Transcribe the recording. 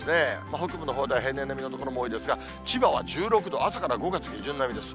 北部のほうでは平年並みの所も多いですが、千葉は１６度、朝から５月下旬並みです。